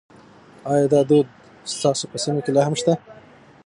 ایا دا دود ستاسو په سیمه کې لا هم شته؟